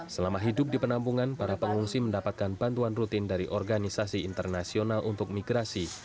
selama hidup di penampungan para pengungsi mendapatkan bantuan rutin dari organisasi internasional untuk migrasi